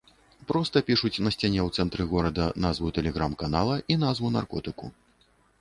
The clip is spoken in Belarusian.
Проста пішуць на сцяне ў цэнтры горада назву тэлеграм-канала і назву наркотыку.